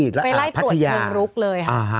ไปไล่ตรวจเชิงลุกเลย